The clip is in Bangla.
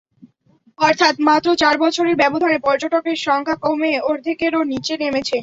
অর্থাৎ মাত্র চার বছরের ব্যবধানে পর্যটকের সংখ্যা কমে অর্ধেকেরও নিচে নেমেছে।